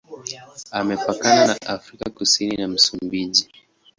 Imepakana na Afrika Kusini na Msumbiji.